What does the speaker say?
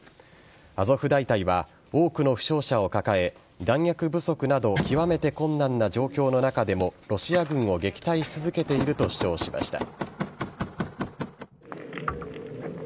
アゾフ大隊は多くの負傷者を抱え弾薬不足など極めて困難な状況の中でもロシア軍を撃退し続けていると主張しました。